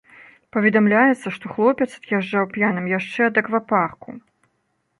Паведамляецца, што хлопец ад'язджаў п'яным яшчэ ад аквапарку.